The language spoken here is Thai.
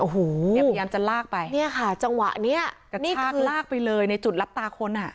โอ้โหเนี่ยพยายามจะลากไปเนี่ยค่ะจังหวะเนี้ยกระชากลากไปเลยในจุดรับตาคนอ่ะ